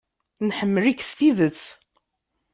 Nḥemmel-ik s tidet.